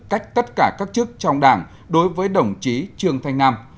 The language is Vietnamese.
cách tất cả các chức trong đảng đối với đồng chí trương thanh nam